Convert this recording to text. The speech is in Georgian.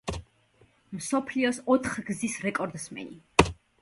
მსოფლიოს ოთხგზის რეკორდსმენი.